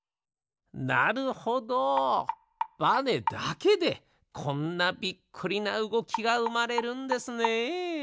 なるほどバネだけでこんなびっくりなうごきがうまれるんですね。